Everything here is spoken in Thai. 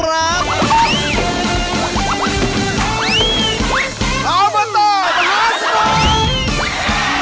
แล้วมาต่อบะหนุนสุด